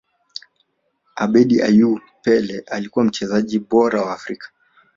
abedi ayew pele alikuwa mchezaji bora wa afrika